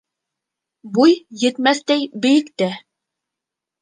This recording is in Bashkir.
Буй етмәҫтәй бейектә